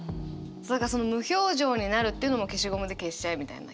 何かその無表情になるっていうのも消しゴムで消しちゃえみたいな表情も。